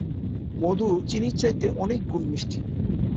মধু চিনির চাইতে অনেক গুণ মিষ্টি।